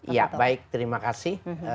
ya baik terima kasih